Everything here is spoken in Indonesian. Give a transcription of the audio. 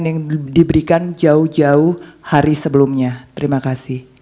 yang diberikan jauh jauh hari sebelumnya terima kasih